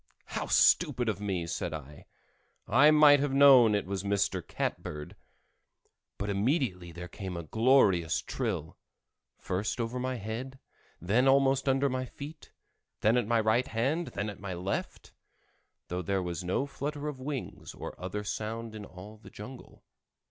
"How stupid of me!" said I. "I might have known it was Mr. Catbird." But immediately there came a glorious trill—first over my head, then almost under my feet, then at my right hand, then at my left; though there was no flutter of wings or other sound in all the jungle.